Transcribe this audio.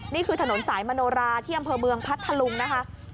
นี่คือถนนสายมโนราที่อำเภอเมืองพัทธลุงนะคะ